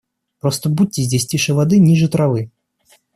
Просто будьте здесь тише воды, ниже травы.